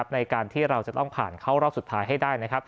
ในการที่เราจะต้องผ่านเข้ารอบสุดท้ายให้ได้นะครับ